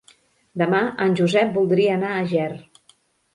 Demà en Josep voldria anar a Ger.